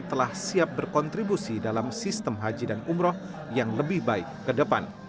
telah siap berkontribusi dalam sistem haji dan umroh yang lebih baik ke depan